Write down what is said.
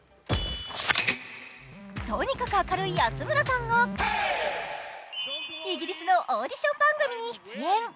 とにかく明るい安村さんがイギリスのオーディション番組に出演。